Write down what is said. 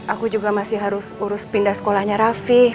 aku juga masih harus urus pindah sekolahnya rafi